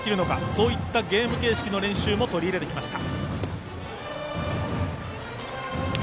そういったゲーム形式の練習も取り入れてきました。